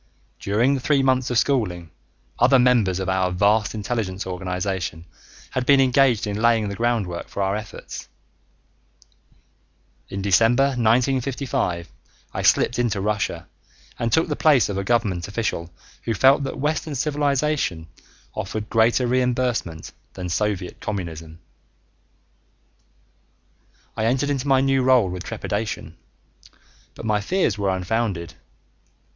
During the three months of schooling, other members of our vast intelligence organization had been engaged in laying the groundwork for our efforts. In December 1955, I slipped into Russia and took the place of a government official who felt that Western civilization offered greater reimbursement than Soviet Communism. I entered into my new role with trepidation, but my fears were unfounded.